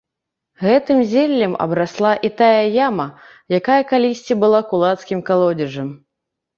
Гэтым зеллем абрасла і тая яма, якая калісьці была кулацкім калодзежам.